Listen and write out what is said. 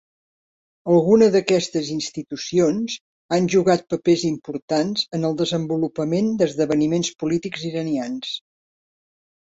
Alguna d'aquestes institucions han jugat papers importants en el desenvolupament d'esdeveniments polítics iranians.